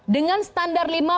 dengan standar lima puluh